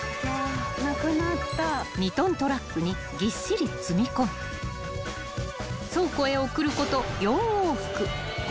［２ｔトラックにぎっしり積み込み倉庫へ送ること］